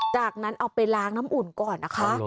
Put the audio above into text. จากนั้นเอาไปล้างน้ำอุ่นก่อนนะคะ